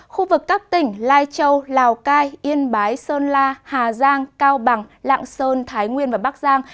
khu vực các tỉnh lai châu lào cai yên bái sơn la hà giang cao bằng lạng sơn thái nguyên và bắc giang